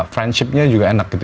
friendshipnya juga enak gitu